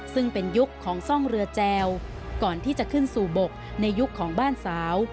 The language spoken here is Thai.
ซึ่งเป็นยุคของซ่องเรือแจวก่อนที่จะขึ้นสู่บกในยุคของบ้านสาว